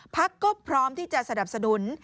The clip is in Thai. พักก็พร้อมที่จะสนับสนุน